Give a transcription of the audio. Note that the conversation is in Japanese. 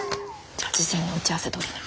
じゃあ事前の打ち合わせどおりに。